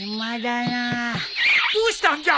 どうしたんじゃ？